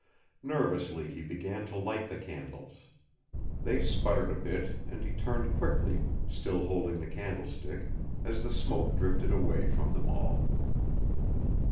Nervously he began to light the candles. They sputtered a bit and he turned quickly, still holding the candlestick, as the smoke drifted away from them all.